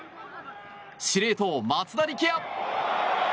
司令塔、松田力也。